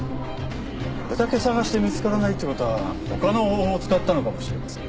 これだけ捜して見つからないという事は他の方法を使ったのかもしれませんよ。